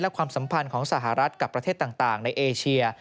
ความสัมพันธ์ของสหรัฐกับประเทศต่างในเอเชีย